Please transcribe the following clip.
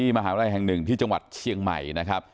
มาหาวัล่ายแห่ง๑ใจ้งวัดเฉียงใหม่